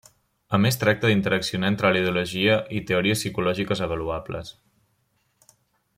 A més tracta d'interaccionar entre la ideologia i teories psicològiques avaluables.